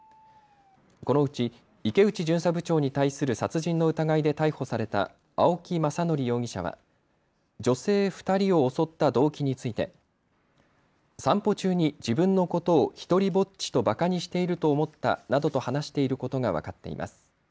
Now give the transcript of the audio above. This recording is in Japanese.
このうち池内巡査部長に対する殺人の疑いで逮捕された青木政憲容疑者は女性２人を襲った動機について散歩中に自分のことを独りぼっちとばかにしていると思ったなどと話していることが分かっています。